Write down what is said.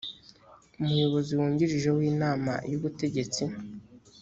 umuyobozi wungirije w inama y ubutegetsi